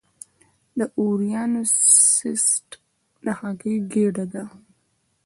د اووریان سیسټ د هګۍ ګېډه ده.